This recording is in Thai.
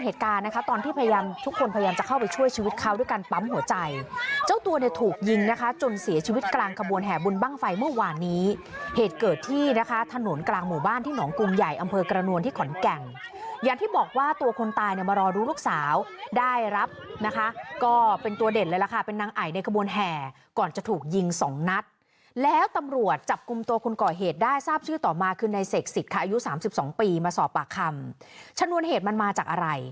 ตัวเนี่ยถูกยิงนะคะจนเสียชีวิตกลางกระบวนแห่บุญบ้างไฟเมื่อวานนี้เหตุเกิดที่นะคะถนนกลางหมู่บ้านที่หนองกรุงใหญ่อำเภอกรณวลที่ขอนแก่งอย่างที่บอกว่าตัวคนตายมารอดูลูกสาวได้รับนะคะก็เป็นตัวเด่นเลยละค่ะเป็นนางไอ่ในกระบวนแห่ก่อนจะถูกยิงสองนัดแล้วตำรวจจับกุมตัวคุณก่อเหตุได้ทราบชื่อต่อมา